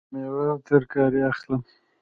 زه میوه او ترکاری اخلم